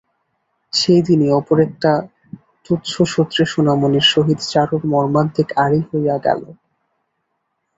সেই দিনই অপর একটা তুচ্ছসূত্রে সোনামণির সহিত চারুর মর্মান্তিক আড়ি হইয়া গেল।